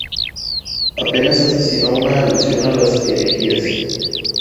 Apenas hace sino una alusión a las herejías.